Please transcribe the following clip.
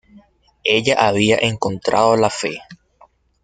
Ella había encontrado la fe.